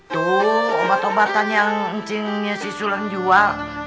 tuh omat obatannya yang ncingnya si sulang jual